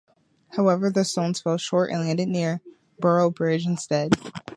However, the stones fell short and landed near Boroughbridge instead.